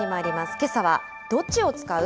けさは、どっちを使う？